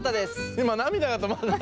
今涙が止まんない。